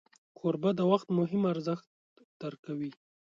کوربه د وخت مهم ارزښت درک کوي.